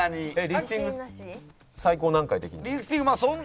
リフティング最高何回できるの？